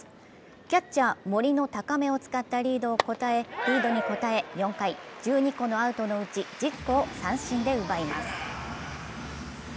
キャッチャー・森の高めを使ったリードに応え、４回、１２個のアウトのうち１０個を三振で奪います。